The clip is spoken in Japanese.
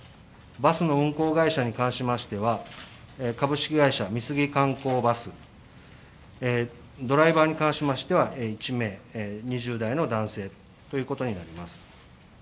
バスの運行会社に関しましては株式会社美杉観光バス、ドライバーに関しましては１名、２０代の男性ということになります。